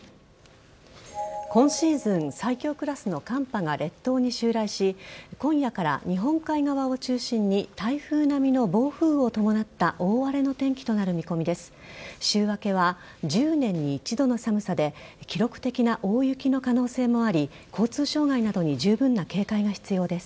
今シーズン最強クラスの寒波が列島に襲来し今夜から日本海側を中心に台風並みの暴風を伴った大荒れの天気となりそうです。